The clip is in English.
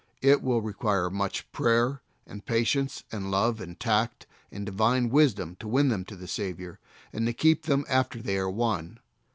It will require much prayer, and patience, and love, and tact, and divine wisdom to win them to the Saviour, and to keep them after they are won.